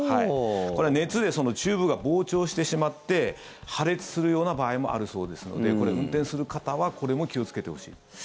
これは熱でチューブが膨張してしまって破裂するような場合もあるそうですので運転する方はこれも気をつけてほしいです。